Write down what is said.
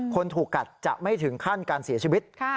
คนถูกกัดจะไม่ถึงขั้นการเสียชีวิต